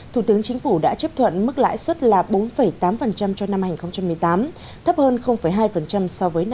thủ tướng chính phủ đã chấp thuận mức lãi suất là bốn tám cho năm hai nghìn một mươi tám thấp hơn hai so với năm hai nghìn một mươi